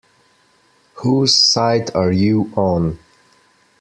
Whose Side Are You On?